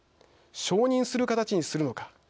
承認する形にするのか。